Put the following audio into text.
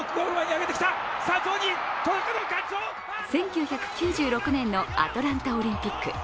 １９９６年のアトランタオリンピック。